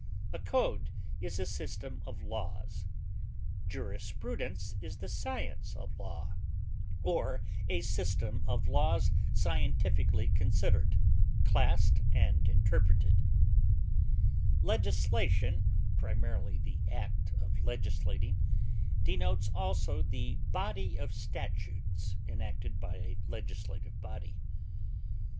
A code is a system of laws; jurisprudence is the science of law, or a system of laws scientifically considered, classed, and interpreted; legislation, primarily the act of legislating, denotes also the body of statutes enacted by a legislative body.